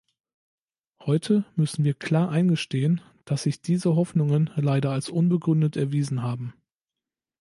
Heute müssen wir klar eingestehen, dass sich diese Hoffnungen leider als unbegründet erwiesen haben.